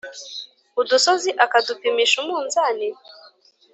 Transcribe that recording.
udusozi akadupimisha umunzani ?